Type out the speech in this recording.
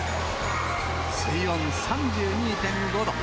水温３２．５度。